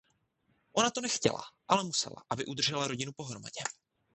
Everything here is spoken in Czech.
Ona to nechtěla, ale musela, aby udržela rodinu pohromadě.